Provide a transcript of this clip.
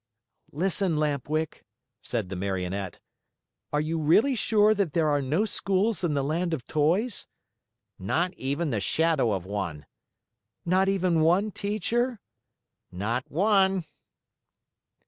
"Listen, Lamp Wick," said the Marionette, "are you really sure that there are no schools in the Land of Toys?" "Not even the shadow of one." "Not even one teacher?" "Not one."